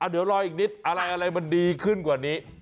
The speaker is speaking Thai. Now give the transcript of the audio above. เดี๋ยวรออีกนิดอะไรมันดีขึ้นกว่านี้